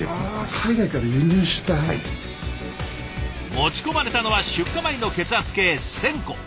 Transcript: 持ち込まれたのは出荷前の血圧計１，０００個。